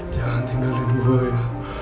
jangan tinggalin gua ya